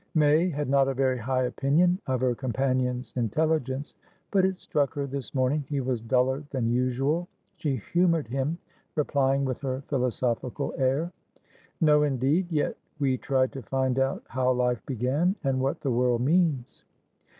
May had not a very high opinion of her companion's intelligence, but it struck her this morning he was duller than usual. She humoured him, replying with her philosophical air: "No, indeed! Yet we try to find out how life began, and what the world means."